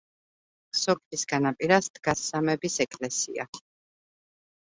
სოფლის განაპირას დგას სამების ეკლესია.